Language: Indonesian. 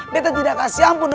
beta tidak akan siampun